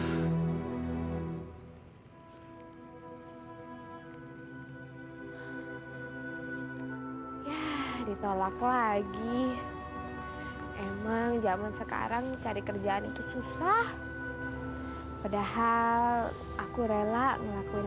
hai ya ditolak lagi emang zaman sekarang cari kerjaan itu susah padahal aku rela ngelakuin